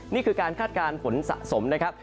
นี่คือการคาดการณ์ฝนสะสมนะครับ